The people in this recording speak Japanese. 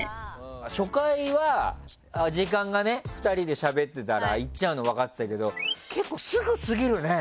初回は時間がね２人でしゃべってたらいっちゃうの分かってたけど結構すぐ過ぎるね。